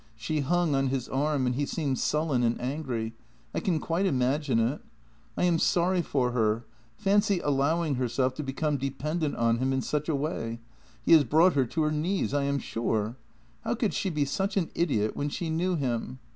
She hung on his arm, and he seemed sullen and angry. I can quite imagine it. I am sorry for her — fancy allowing herself to become de pendent on him in such a way. He has brought her to her knees, I am sure. How could she be such an idiot, when she knew him?